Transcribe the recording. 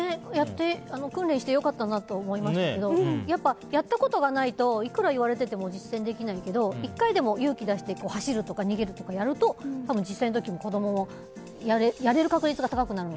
訓練して良かったなと思いましたけどやっぱ、やったことがないといくら言われてても実践できないけど１回でも勇気出して走るとか逃げるとかやると、多分実際の時に子供もやれる確率が高くなる。